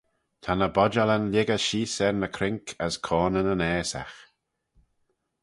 Ta ny bodjalyn lhiggey sheese er ny croink as coanyn yn aasagh.